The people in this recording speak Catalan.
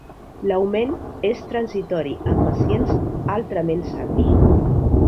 L'augment és transitori en pacients altrament sans.